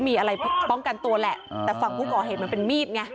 มีอะไรป้องกันตัวแหละแต่ฝั่งผู้ก่อเหตุมันเป็นมีดไง